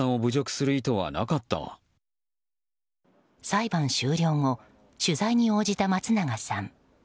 裁判終了後取材に応じた松永さん。